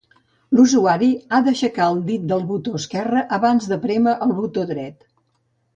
L'usuari ha d'aixecar el dit del botó esquerre abans de prémer el botó dret.